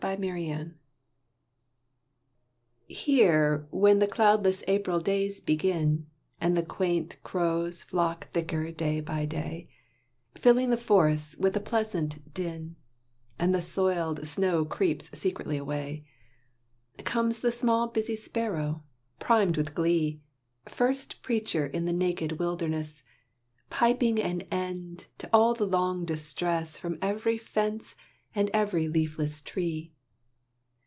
THE MEADOW Here when the cloudless April days begin, And the quaint crows flock thicker day by day, Filling the forests with a pleasant din, And the soiled snow creeps secretly away, Comes the small busy sparrow, primed with glee, First preacher in the naked wilderness, Piping an end to all the long distress From every fence and every leafless tree.